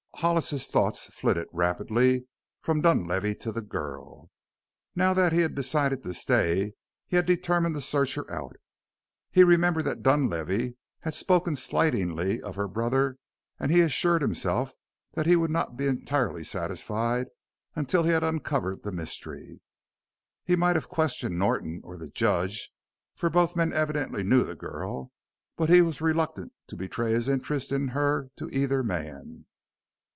Hollis's thoughts flitted rapidly from Dunlavey to the girl. Now that he had decided to stay he had determined to search her out. He remembered that Dunlavey had spoken slightingly of her brother and he assured himself that he would not be entirely satisfied until he had uncovered the mystery. He might have questioned Norton or the judge, for both men evidently knew the girl, but he was reluctant to betray his interest in her to either man.